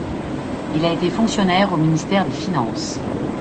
Il a été fonctionnaire au ministère des Finances.